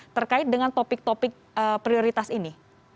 terkait dengan topik topik prioritas ini